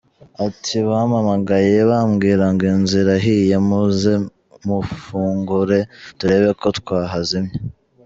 Ati “Bampamagaye bambwira ngo inzu irahiye muze mufungure turebe ko twahazimya.